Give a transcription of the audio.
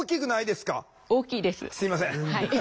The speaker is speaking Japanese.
すいません。